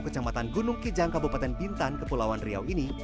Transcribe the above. kecamatan gunung kijang kabupaten bintan kepulauan riau ini